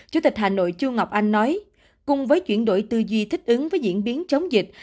chủ tịch hà nội chu ngọc anh nói cùng với chuyển đổi tư duy thích ứng với diễn biến chống dịch